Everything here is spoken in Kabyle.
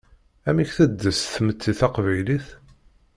Amek teddes tmetti taqbaylit?